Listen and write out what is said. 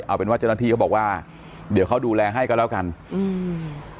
เอาเป็นว่าเจ้าหน้าที่เขาบอกว่าเดี๋ยวเขาดูแลให้ก็แล้วกันอืม